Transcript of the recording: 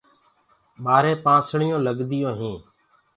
ٻآرهي پانسݪیونٚ لگدیونٚ هيٚنٚ۔